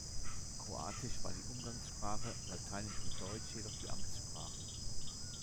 Kroatisch war die Umgangssprache, Lateinisch und Deutsch jedoch die Amtssprachen.